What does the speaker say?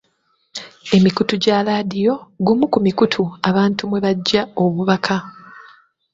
Emikutu gya laadiyo gumu ku mikutu abantu mwe baggya obubaka.